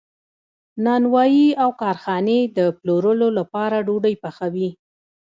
نانوایی او کارخانې د پلورلو لپاره ډوډۍ پخوي.